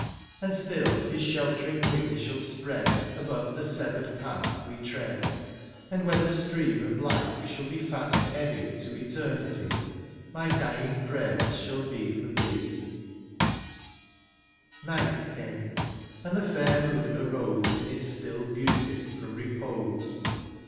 '^ And still his sheltering wing shall spread ^^ Above the severed path we tread ;*' And when the stream of life shall be " Fast ebbing to eternity, ^^ My dying prayers shall be for thee/^ Night came, and the fair moon arose In its still beauty, from repose.